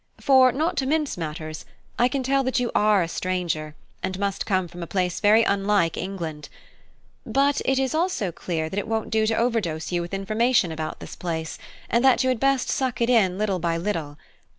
For, not to mince matters, I can tell that you are a stranger, and must come from a place very unlike England. But also it is clear that it won't do to overdose you with information about this place, and that you had best suck it in little by little.